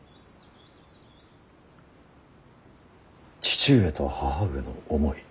父上と義母上の思い